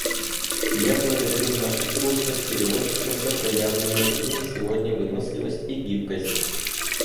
Я благодарю наших устных переводчиков за проявленные ими сегодня выносливость и гибкость.